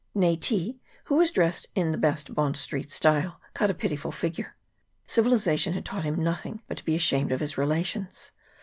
Nayti, who was dressed in the best Bond street style, cut a pitiful figure ; civilization had taught him nothing but to be ashamed of his rela tions.